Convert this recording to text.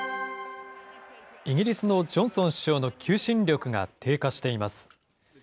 イギリスのジョンソン首相の求心力が低下しています。